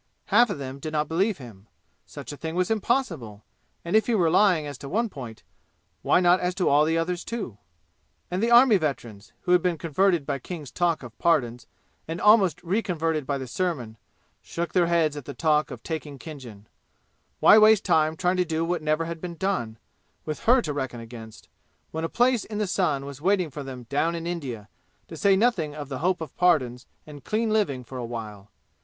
Half of them did not believe him. Such a thing was impossible, and if he were lying as to one point, why not as to all the others, too? And the army veterans, who had been converted by King's talk of pardons, and almost reconverted by the sermon, shook their heads at the talk of taking Khinjan. Why waste time trying to do what never had been done, with her to reckon against, when a place in the sun was waiting for them down in India, to say nothing of the hope of pardons and clean living for a while?